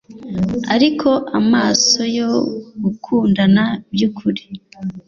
Ariko amaso yo gukundana byukuri